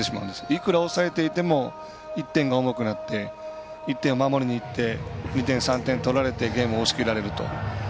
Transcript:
いくら抑えていても１点が重くなって１点を守りにいって２点３点取られてゲームを押し切られると。